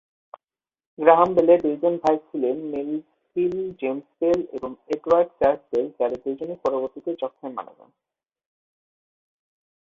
Graham বেলের দুইজন ভাই ছিলেন মেলভিল জেমস বেল এবং এডওয়ার্ড চার্লস বেল যাদের দুজনই পরবর্তীতে যক্ষ্মায় মারা যান।